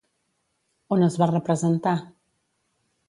On es va representar?